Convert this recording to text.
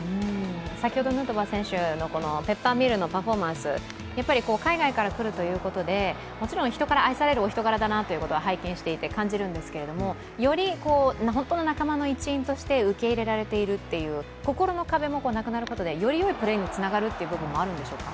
先ほどヌートバー選手のペッパーミルのパフォーマンス、海外から来るということで、もちろん人から愛されるお人柄だなというのは拝見していて感じるんですけれども、より、本当の仲間の一員として受け入れられるという、心の壁もなくなることで、よりよいプレーにつながるという部分もあるんでしょうか。